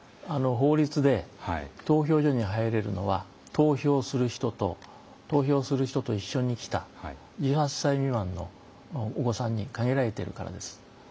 法律で投票所に入れるのは投票する人と投票する人と一緒に来た１８歳未満のお子さんに限られているからです。